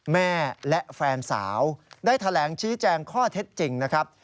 แม่และแฟนสาวได้แถลงชี้แจงข้อเท็จจริงนะครับ